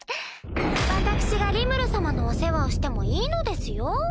私がリムル様のお世話をしてもいいのですよ？